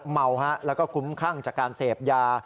เมาฮะแล้วก็คุ้มครั่งจากการเสพยา